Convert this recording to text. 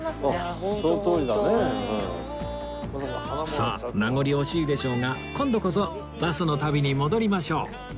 さあ名残惜しいでしょうが今度こそバスの旅に戻りましょう